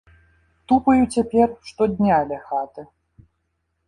Тупаю цяпер штодня ля хаты.